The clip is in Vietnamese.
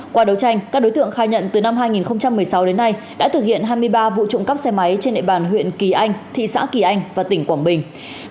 qua đấu tranh các đối tượng khai nhận từ năm hai nghìn một mươi sáu đến nay đã thực hiện hai mươi ba vụ trộm cắp xe máy trên địa bàn huyện kỳ anh thị xã kỳ anh và tỉnh quảng bình